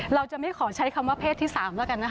เราจะไม่ขอใช้คำว่าเพศที่๓แล้วกันนะคะ